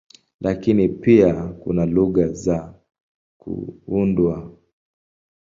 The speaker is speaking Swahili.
Lakini pia kuna lugha za kuundwa.